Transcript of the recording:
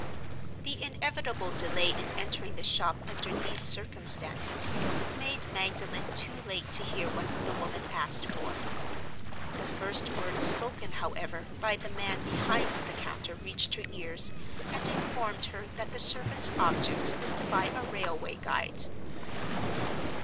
The inevitable delay in entering the shop under these circumstances made Magdalen too late to hear what the woman asked for. The first words spoken, however, by the man behind the counter reached her ears, and informed her that the servant's object was to buy a railway guide.